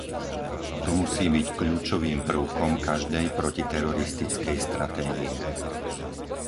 To musí byť kľúčovým prvkom každej protiteroristickej stratégie.